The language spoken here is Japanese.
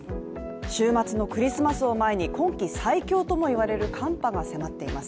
週末のクリスマスを前に今季最強とも言われる寒波が迫って来ています。